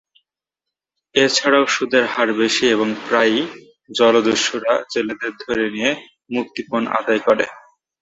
এছাড়াও সুদের হার বেশি এবং প্রায়ই জলদস্যুরা জেলেদের ধরে নিয়ে মুক্তিপণ আদায় করে।